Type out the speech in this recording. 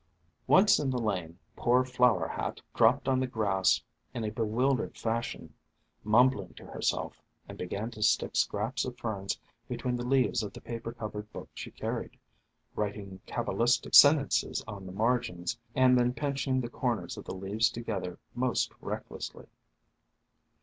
Once in the lane, poor Flower Hat dropped on the grass in a bewildered fashion, mumbling to herself, and began to stick scraps of Ferns between the leaves of the paper covered book she carried, writing cabalistic sentences on the margins, and CHRWTMA3 FERNS THE FANTASIES OF FERNS 205 then pinching the corners of the leaves together most recklessly.